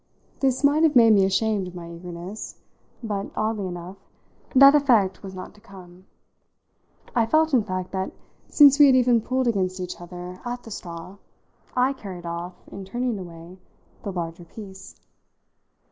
This might have made me ashamed of my eagerness, but, oddly enough, that effect was not to come. I felt in fact that, since we had even pulled against each other at the straw, I carried off, in turning away, the larger piece.